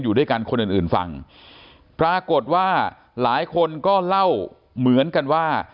อยู่ด้วยกันคนอื่นอื่นฟังปรากฏว่าหลายคนก็เล่าเหมือนกันว่า